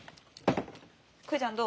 クーちゃんどう？